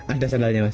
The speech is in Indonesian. ada sandalnya mas